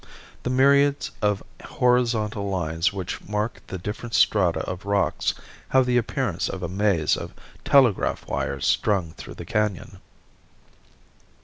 The myriads of horizontal lines which mark the different strata of rocks have the appearance of a maze of telegraph wires strung through the canon.